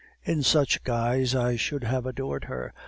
In such guise I should have adored her.